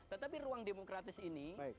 tetapi ruang demokratis ini masuk ke dalam